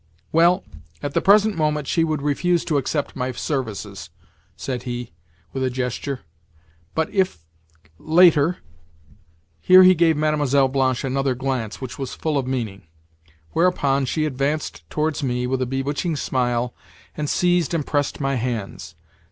"Well, at the present moment she would refuse to accept my services," said he with a gesture. "But if, later—" Here he gave Mlle. Blanche another glance which was full of meaning; whereupon she advanced towards me with a bewitching smile, and seized and pressed my hands.